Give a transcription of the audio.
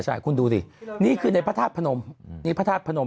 ใช่คุณดูสินี่คือในพระธาตุพระนม